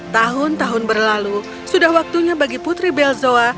tahun tahun berlalu sudah waktunya bagi putri belzoa